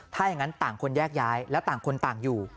ถ้าอย่างนั้นต่างคนแยกย้ายแล้วต่างคนต่างอยู่